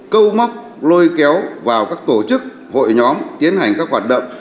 câu móc lôi kéo vào các tổ chức hội nhóm tiến hành các hoạt động